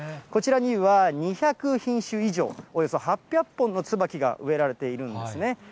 こちらには２００品種以上、およそ８００本のツバキが植えられているんですね。